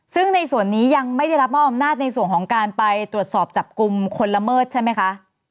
ซึ่งในส่วนนี้ยังไม่ได้รับมอบอำนาจในส่วนของการไปตรวจสอบจับกลุ่มคนละเมิดใช่ไหมคะ